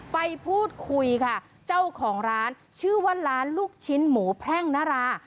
ไปพูดคุยค่ะเจ้าของร้านชื่อว่าร้านลูกชิ้นหมูแพร่งนารา